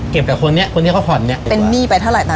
เก็บแต่คนนี้คนที่เขาผ่อนเนี้ยเป็นหนี้ไปเท่าไหร่ตัวนั้น